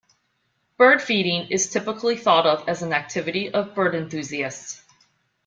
Bird feeding is typically thought of as an activity of bird enthusiasts.